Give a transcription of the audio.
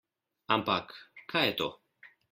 Ampak, kaj je to?